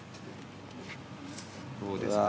どうですかびわ。